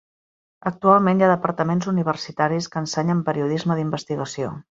Actualment hi ha departaments universitaris que ensenyen periodisme d'investigació.